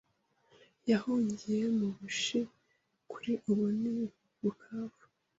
Yahungiye mu bushi kuri ubu ni bukavu